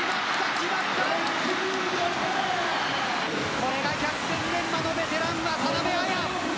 これが百戦錬磨のベテラン渡邊彩。